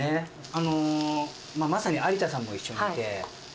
あのまあまさに有田さんも一緒にいて。